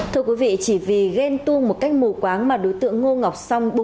thưa quý vị chỉ vì ghen tuô một cách mù quáng mà đối tượng ngô ngọc song